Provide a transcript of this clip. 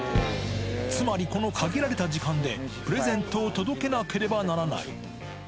つまり、この限られた時間でプレゼントを届けなければならない。